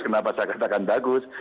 kenapa saya katakan bagus